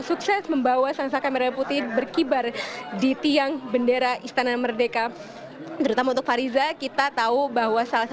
yang terima kasih luis